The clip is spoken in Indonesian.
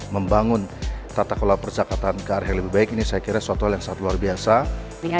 membangun tata kelola perzakatan ke arah yang lebih baik ini saya kira suatu hal yang sangat luar biasa